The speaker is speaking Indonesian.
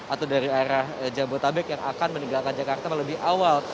atau dari arah jabodetabek yang akan meninggalkan jakarta lebih awal